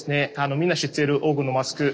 みんな知ってる黄金のマスク。